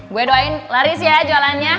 gue doain laris ya jualannya